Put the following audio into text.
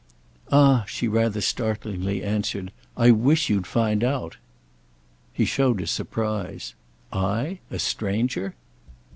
"Ah," she rather startlingly answered, "I wish you'd find out!" He showed his surprise. "I? A stranger?"